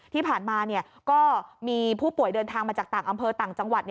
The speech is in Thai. ที่ผ่านมาก็มีผู้ป่วยเดินทางมาจากต่างอำเภอต่างจังหวัด